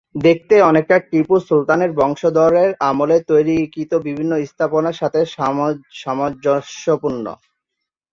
দেখতে অনেকটা টিপু সুলতানের বংশধরদের আমলে তৈরীকৃত বিভিন্ন স্থাপনার সাথে সামঞ্জস্যপূর্ণ।